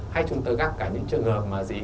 hay chúng tôi gặp cả những trường hợp mà gì